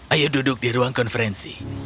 ayo duduk di ruang konferensi